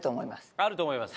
あると思います。